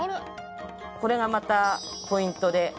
これがまたポイントで。